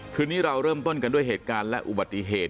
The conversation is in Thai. คืนนี้เราเริ่มต้นกันด้วยเหตุการณ์และอุบัติเหตุ